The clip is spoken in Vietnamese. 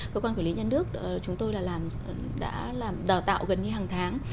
cơ quan quỹ lý nhân nước chúng tôi đã làm đào tạo gần như hàng tháng